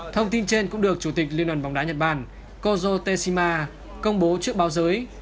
thông tin trên cũng được chủ tịch liên đoàn bóng đá nhật bản kozo tesima công bố trước báo giới